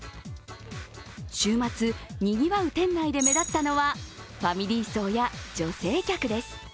週末、にぎわう店内で目立ったのはファミリー層や女性客です。